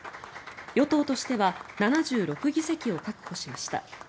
与党としては７６議席を確保しました。